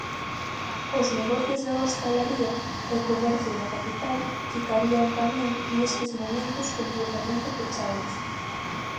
Os negocios da hostalaría e comercio da capital ficarían tamén nestes momentos completamente pechados.